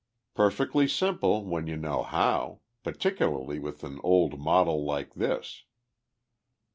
Perfectly simple when you know how particularly with an old model like this."